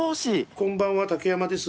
こんばんは竹山です。